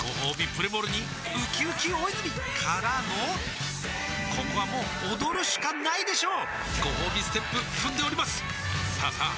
プレモルにうきうき大泉からのここはもう踊るしかないでしょうごほうびステップ踏んでおりますさあさあ